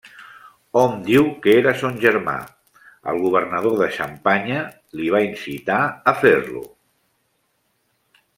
Hom diu que era son germà, el governador de Xampanya li va incitar a fer-lo.